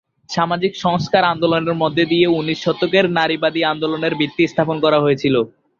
সামাজিক সংস্কার আন্দোলনের মধ্য দিয়ে ঊনিশ শতকের নারীবাদী আন্দোলনের ভিত্তি স্থাপন করা হয়েছিল।